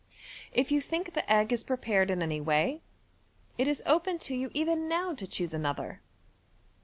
If you think the egg is prepared in any way, it is open to you even now to choose another.